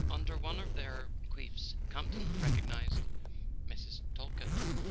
Under one of their coifs Campton recognized Mrs. Talkett.